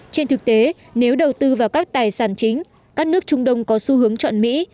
trên thực tế nếu đầu tư vào các tài sản chính các nước trung đông có xu hướng chọn mỹ